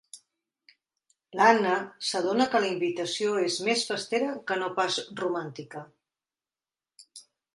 L'Anna s'adona que la invitació és més festera que no pas romàntica.